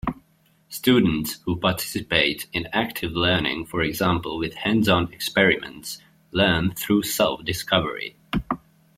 Students who participate in active learning for example with hands-on experiments learn through self-discovery.